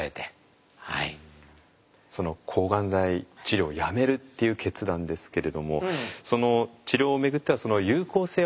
その抗がん剤治療をやめるっていう決断ですけれども治療を巡っては有効性はね